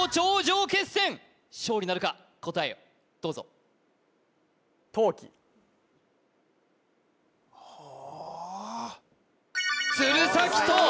勝利なるか答えをどうぞはあ